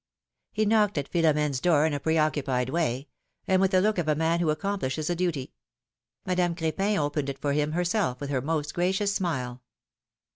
He knocked at Philomene's door in a preoccupied way, and with a look of a man who accomplishes a duty; Madame Cr4pin opened it for him herself with her most gracious smile.